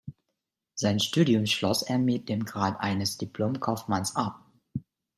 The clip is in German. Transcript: Sein Studium schloss er mit dem Grad eines Diplom-Kaufmanns ab.